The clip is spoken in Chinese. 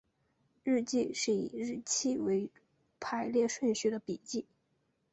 日记是以日期为排列顺序的笔记。